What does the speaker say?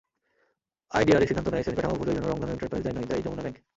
IDRA সিদ্ধান্ত নেয়, শ্রেণীকাঠামো ভুলের জন্য রংধনু এন্টারপ্রাইজ দায়ী নয়, দায়ী যমুনা ব্যাংক।